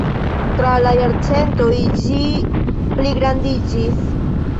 Tra la jarcentoj ĝi pligrandiĝis.